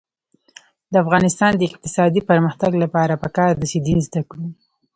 د افغانستان د اقتصادي پرمختګ لپاره پکار ده چې دین زده کړو.